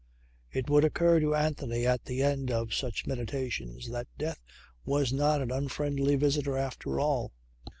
It would occur to Anthony at the end of such meditations that death was not an unfriendly visitor after all.